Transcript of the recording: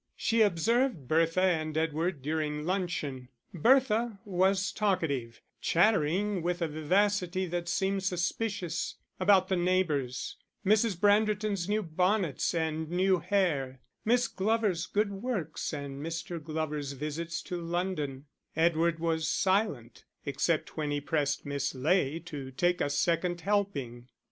She observed Bertha and Edward during luncheon: Bertha was talkative, chattering with a vivacity that seemed suspicious, about the neighbours Mrs. Branderton's new bonnets and new hair, Miss Glover's good works and Mr. Glover's visits to London; Edward was silent, except when he pressed Miss Ley to take a second helping.